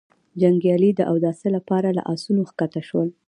جنګيالي د اوداسه له پاره له آسونو کښته شول.